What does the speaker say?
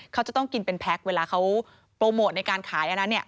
เขาจะต้องกินเป็นแพ็คเวลาเขาโปรโมทในการขายอันนั้นเนี่ย